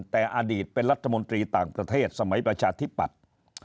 แต่อดีตเป็นรัฐมนตรีต่างประเทศสมัยประชาธิปัตย์